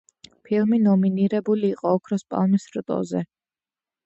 ფილმი ნომინირებული იყო ოქროს პალმის რტოზე.